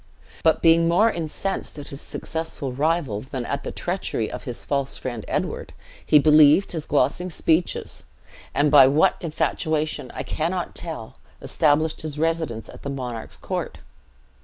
But being more incensed at his successful rival, than at the treachery of his false friend Edward, he believed his glossing speeches; and by what infatuation I cannot tell established his residence at the monarch's court.